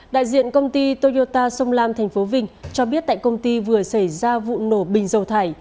đại diện công ty toyota sông lam tp vinh cho biết tại công ty vừa xảy ra vụ nổ bình dầu thải